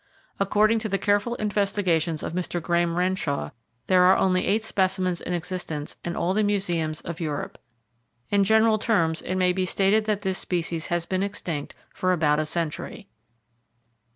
According to the careful investigations of Mr. Graham Renshaw, there are only eight specimens in existence in all the museums of Europe. In general terms it may be stated that this species has been extinct for about a century.